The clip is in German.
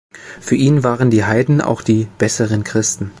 Für ihn waren die Heiden auch die „besseren Christen“.